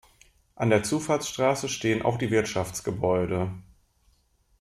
An der Zufahrtsstraße stehen auch die Wirtschaftsgebäude.